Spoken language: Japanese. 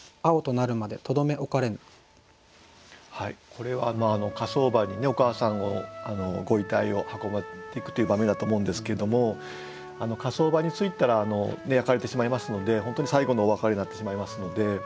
これは火葬場にお母さんをご遺体を運んでいくという場面だと思うんですけども火葬場に着いたら焼かれてしまいますので本当に最後のお別れになってしまいますので。